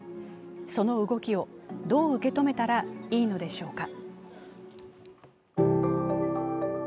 その動きをどう受け止めたらいいのでしょうか。